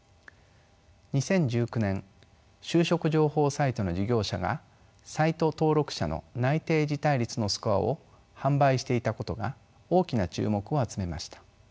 ２０１９年就職情報サイトの事業者がサイト登録者の内定辞退率のスコアを販売していたことが大きな注目を集めました。